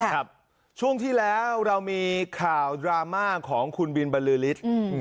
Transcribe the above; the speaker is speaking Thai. ครับช่วงที่แล้วเรามีข่าวดราม่าของคุณบินบรรลือฤทธิ์